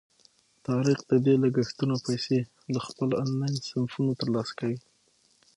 طارق د دې لګښتونو پیسې له خپلو آنلاین صنفونو ترلاسه کوي.